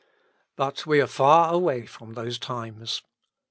But we are far away from those times.